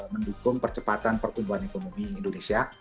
mendukung percepatan pertumbuhan ekonomi indonesia